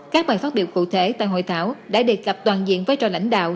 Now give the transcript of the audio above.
các bài phát biểu cụ thể tại hội thảo đã đề cập toàn diện vai trò lãnh đạo